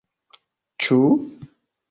Ĉu?